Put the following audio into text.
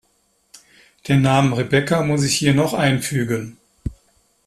Den Namen Rebecca muss ich hier noch einfügen.